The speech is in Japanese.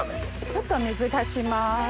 ちょっと水足します。